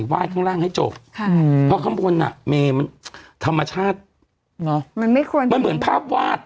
วาดข้างล่างให้จบค่ะเพราะข้างบนอ่ะเมมันธรรมชาติเนอะมันไม่ควรมันเหมือนภาพวาด